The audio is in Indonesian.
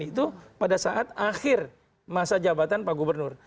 itu pada saat akhir masa jabatan pak gubernur